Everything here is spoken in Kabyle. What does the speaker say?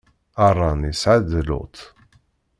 Aṛan isɛa-d Luṭ.